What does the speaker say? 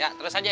ya terus aja